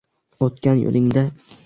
O’tgan yo’lingda.